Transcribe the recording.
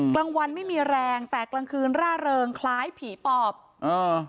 กลางวันไม่มีแรงแต่กลางคืนร่าเริงคล้ายผีปอบอ่า